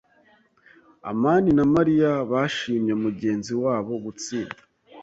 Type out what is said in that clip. amani na Mariya bashimye mugenzi wabo gutsinda.